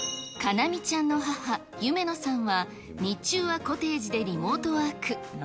なみちゃんの母、ゆめのさんは日中はコテージでリモートワーク。